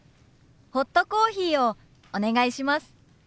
ホットコーヒーをお願いします。